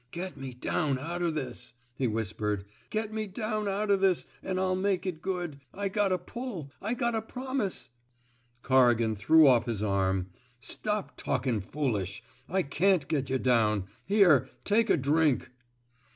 *^ Get me down out o' this/* he whispered. *' Get me down out o' this, an* 1*11 make it good. I got a pull. I got a promise —Corrigan threw off the arm. Stop talkin* foolish. I can't get yuh down. Here, take a drink.